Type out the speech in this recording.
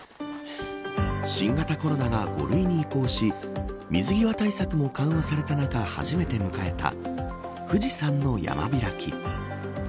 新型コロナが５類に移行し水際対策も緩和された中初めて迎えた富士山の山開き。